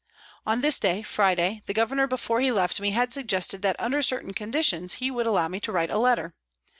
On this day, Friday, the Governor before he left me had suggested that under certain conditions he would allow me to write a letter.